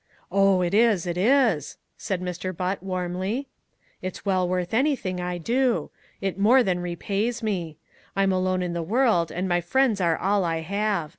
"Oh, it is, it is," said Mr. Butt warmly. "It's well worth anything I do. It more than repays me. I'm alone in the world and my friends are all I have.